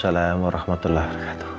waalaikumsalam warahmatullahi wabarakatuh